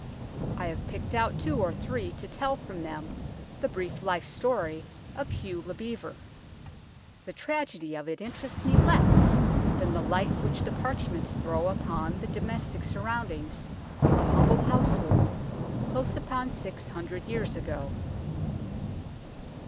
I have picked out two or three to tell from them the brief life story of Hugh le Bevere. The tragedy of it interests me less than the light which the parchments throw upon the domestic sur roundings of a humble household close upon six hundred years ago.